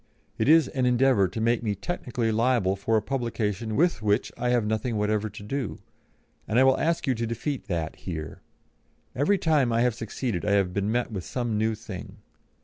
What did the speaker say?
It is an endeavour to make me technically liable for a publication with which I have nothing whatever to do, and I will ask you to defeat that here. Every time I have succeeded I have been met with some new thing.